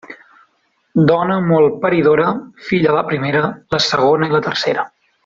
Dona molt paridora, filla la primera, la segona i la tercera.